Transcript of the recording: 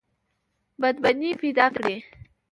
بدبیني پیدا کړي.